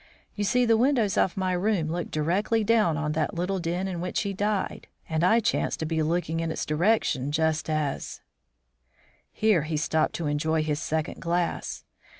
You see, the windows of my room look directly down on the little den in which he died, and I chanced to be looking in its direction just as " Here he stopped to enjoy his second glass.